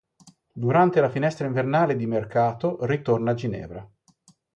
Durante la finestra invernale di mercato, ritorna a Ginevra.